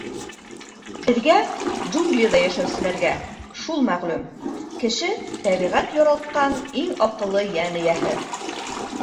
Беҙгә, джунглиҙа йәшәүселәргә, шул мәғлүм: кеше — тәбиғәт яралтҡан иң аҡыллы йән эйәһе.